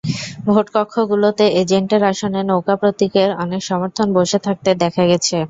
ভোটকক্ষগুলোতে এজেন্টের আসনে নৌকা প্রতীকের অনেক সমর্থক বসে থাকতে দেখা গেছে।